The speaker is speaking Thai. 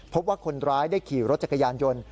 พบว่าคนร้ายได้ขี่รถจักรยานยนต์